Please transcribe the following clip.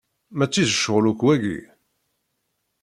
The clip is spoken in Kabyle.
Mačči d ccɣel akk wagi.